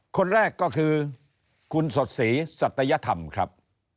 คนแรกก็คือคุณสดศรีสัตยธรรมครับ